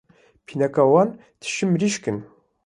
Pînika wan tije mirîşk in.